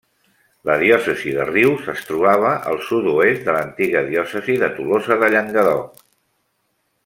La diòcesi de Rius es trobava al sud-oest de l'antiga diòcesi de Tolosa de Llenguadoc.